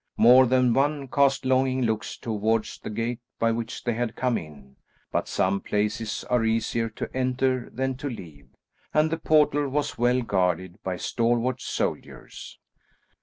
More than one cast longing looks towards the gate by which they had come in, but some places are easier to enter than to leave, and the portal was well guarded by stalwart soldiers.